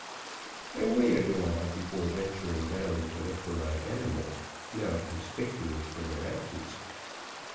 I waited a while before venturing down to look for my animals, now conspicuous for their absence.